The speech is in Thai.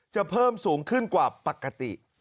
เพิ่มสูงขึ้นกว่าปกติ